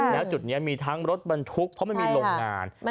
แล้วจุดนี้มีทั้งรถบรรทุกเพราะมันมีโรงงาน